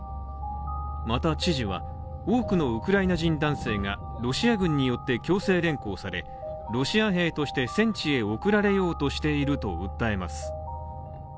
また、知事は多くのウクライナ人男性がロシア軍によって強制連行されロシア兵として戦地へ送られようとしていると訴えます。